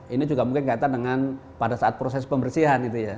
ini juga mungkin kaitan dengan pada saat proses pembersihan